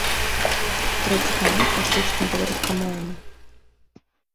Трэці канал практычна беларускамоўны.